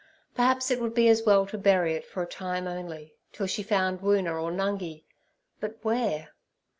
Perhaps it would be as well to bury it for a time only, till she found Woona or Nungi; but where?